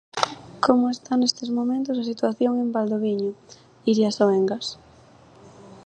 Como está nestes momentos a situación en Valdoviño, Iria Soengas?